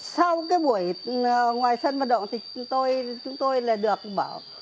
sau cái buổi ngoài sân vận động thì chúng tôi là được bảo